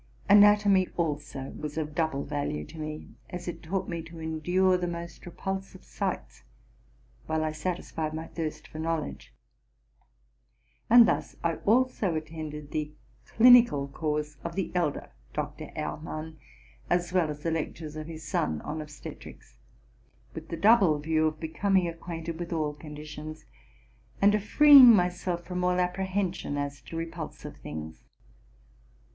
Anatomy, also, was of double value to me, as it taught me to endure the most repul sive sights, while I satisfied my thirst for knowledge. And thus I also attended the clinical course of the elder Dr. Ehr mann, as well as the lectures of his son on obstetrics, with the double view of becoming acquainted with all conditions, and of freeing myself from all apprehension as to repulsive things.